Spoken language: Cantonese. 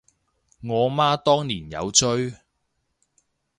我媽當年有追